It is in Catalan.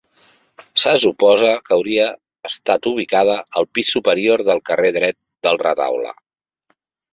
Se suposa que hauria estat ubicada al pis superior del carrer dret del retaule.